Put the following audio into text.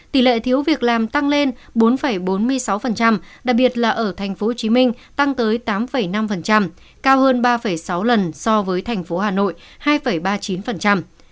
tỷ lệ thiếu việc làm tăng lên bốn bốn mươi sáu đặc biệt là ở tp hcm tăng tới tám năm cao hơn ba sáu lần so với tp hcm hai ba mươi chín